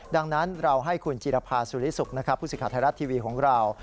ดังนั้นเราให้คุณจิรภาษุริสุกพุศิษฐรรถทีวีของเรา